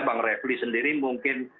bang refli sendiri mungkin